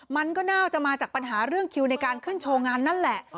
มันก็น่าจะมาจากปัญหาเรื่องคิวในการขึ้นโชว์งานนั่นแหละ